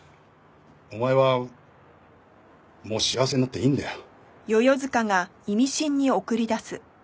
お前はもう幸せになっていいんだよ。